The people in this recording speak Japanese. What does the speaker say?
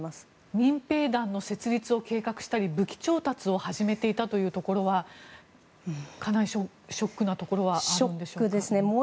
民兵団の設立を計画したり武器調達を始めていたところはかなりショックなところはあるんでしょうか。